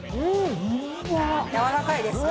やわらかいですか？